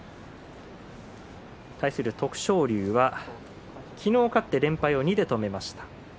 対する徳勝龍は昨日勝って連敗を２で止めました。